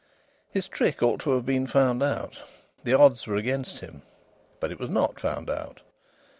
His trick ought to have been found out the odds were against him but it was not found out.